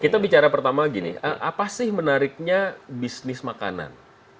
kita bicara pertama gini apa sih menariknya bisnis makanan